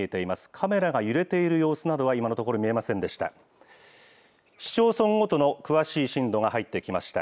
カメラが揺れている様子などは、今のところ見えませんでした。